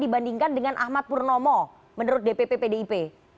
mungkin kan dengan ahmad purnomo menurut dpp pdip